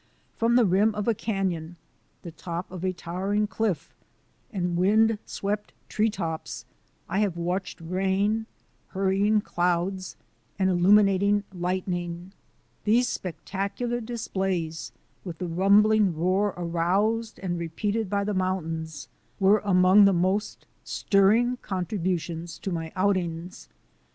From the rim 128 THE ADVENTURES OF A NATURE GUIDE of a canon, the top of a towering cliff, and wind swept tree tops I have watched rain, hurrying clouds, and illuminating lightning. These spectac ular displays, with the rumbling roar aroused and repeated by the mountains, were among the most stirring contributions to my outings.